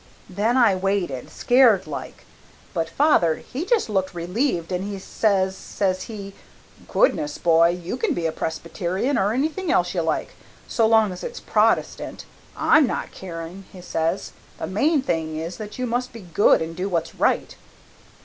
Then I waited, scared like. But father, he just looked relieved and he says, says he, 'Goodness, boy, you can be a Presbyterian or anything else you like, so long as it's Protestant. I'm not caring,' he says. 'The main thing is that you must be good and do what's right.